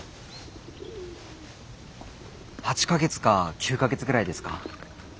８か月か９か月くらいですか？